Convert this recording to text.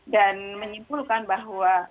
dan menyimpulkan bahwa